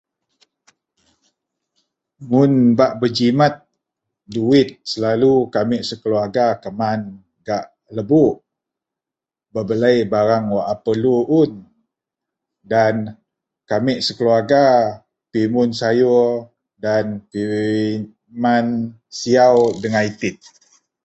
mun bak berjimet duwit selalu kamek sekeluarga keman gak lebok, bebelei barang wak perlu un dan kamek sekeluarga pimun sayur dan pee men siaw dengan itit